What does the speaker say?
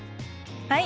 はい。